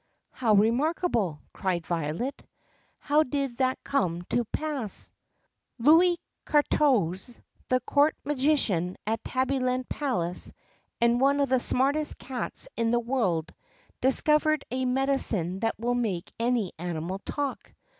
"How remarkable!" cried Violet. "How did that come to pass 4 ?" "Louis Katorze, the court magician at Tabbyland Palace and one of the smartest cats in the world, discovered a medi cine that will make any animal talk.